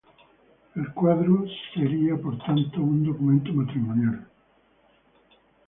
El cuadro sería, por tanto, un documento matrimonial.